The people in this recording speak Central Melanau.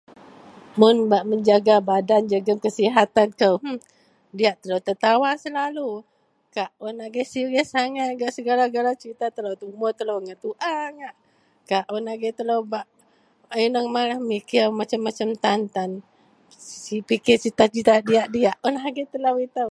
mun bak mejaga badan jegum kasihatan kou humh, diak telou tetawa selalu, kak un agei serius agai gak segala-gala cerita telou, umur telou ngak tuaa ngak, kak un agei telou bak inou maraih memikir macam-macam tan tan, si pikir serita diak-diak un agei telou itou